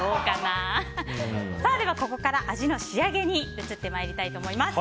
ここから味の仕上げに移ってまいりたいと思います。